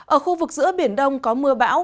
ở khu vực giữa biển đông có mưa bão